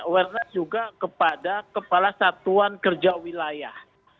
awareness juga kepada kepala satuan kerja wilayah